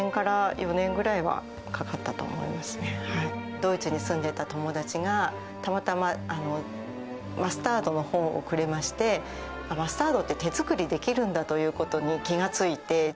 ドイツに住んでいた友達がたまたまマスタードの本をくれましてマスタードって手作りできるんだということに気がついて。